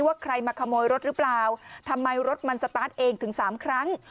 ว่าใครมาขโมยรถหรือเปล่าทำไมรถมันสตาร์ทเองถึงสามครั้ง